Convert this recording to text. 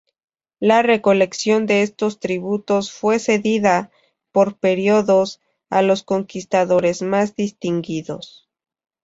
La recolección de estos tributos fue cedida, por períodos, a los conquistadores más distinguidos.